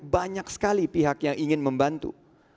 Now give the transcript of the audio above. banyak sekali pihak yang ingin membantu